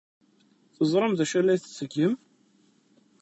Teẓram d acu ay la tettgem?